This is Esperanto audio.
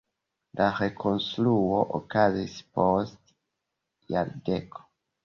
La rekonstruo okazis post jardeko.